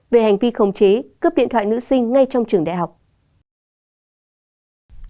về hành vi khống chế cướp điện thoại nữ sinh ngay trong trường đại học